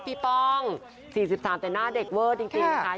ป้อง๔๓แต่หน้าเด็กเวอร์จริงนะคะ